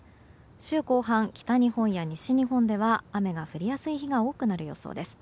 週後半、北日本や西日本では雨が降りやすい日が多くなる予想です。